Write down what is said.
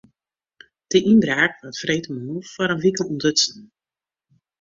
De ynbraak waard freedtemoarn foar in wike ûntdutsen.